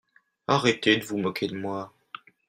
Arrêtez de vous moquer de moi.